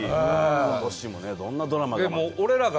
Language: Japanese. ことしもどんなドラマが。